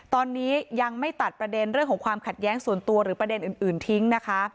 ตอนนี้ยังไม่ตัดประเด็นเรื่องของความขัดแย้งส่วนตัวหรือประเด็นอื่นทิ้งนะคะ